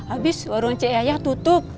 abis orang ce ayah tutup